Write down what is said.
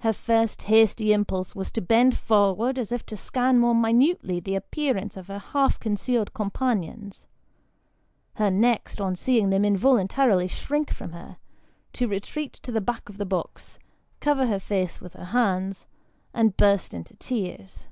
Her first hasty impulse was to bend forward as if to scan more minutely the appearance of her half con cealed companions; her next, on seeing them involuntarily shrink from her, to retreat to the back of the box, cover her face with her hands, and burst into tears.